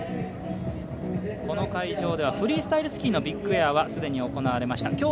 この会場ではフリースタイルスキーのビッグエアは既に行われました。